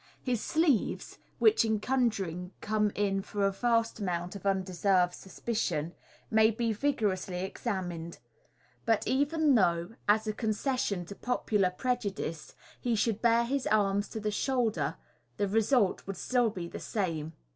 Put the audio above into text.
His sleeves (which in conjuring come in for a vast amount of undeserved suspicion) may be rigor ously examined 5 but even though, as a concession to popular pre judice, he should bare his arm to the shoulder, the result would still be the same.